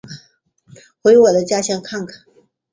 回我的家乡看看